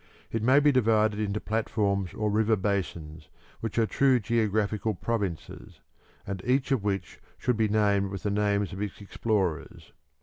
It may be divided into platforms or river basins which are true geographical provinces, and each of which should be labelled with the names of its explorers.